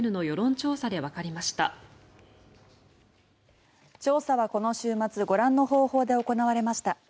調査はこの週末ご覧の方法で行われました。